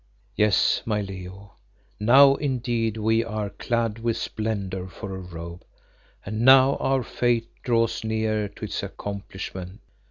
"Yes, my Leo, now indeed we are 'clad with splendour for a robe,' and now our fate draws near to its accomplishment.